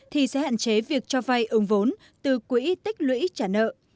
thì sẽ hạn chế việc cho vay ứng vốn từ quỹ tích lũy trả nợ